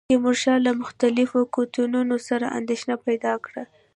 تیمورشاه له مختلفو قوتونو سره اندېښنه پیدا کړه.